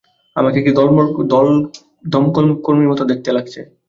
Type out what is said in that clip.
আমাকে কি দমকলকর্মীর মত দেখতে লাগছে?